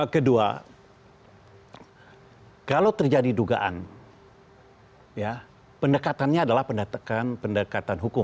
kedua kalau terjadi dugaan pendekatannya adalah pendekatan hukum